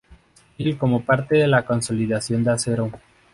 Steel como parte de la consolidación de acero.